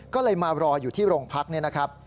ก็เลยมารออยู่ที่โรงพักนี่นะครับ